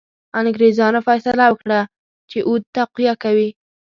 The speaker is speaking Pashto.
انګرېزانو فیصله وکړه چې اود تقویه کړي.